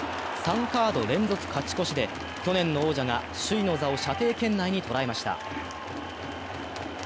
３カード連続勝ち越しで去年の王者が首位の座を射程圏内に捉えました。